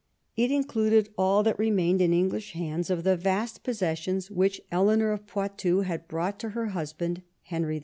It included all that remained in English hands of the vast possessions which Eleanor of Poitou had brought to her husband Henry II.